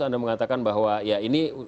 anda mengatakan bahwa ya ini